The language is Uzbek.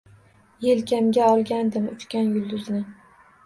Yelkamga olgandim uchgan yulduzni.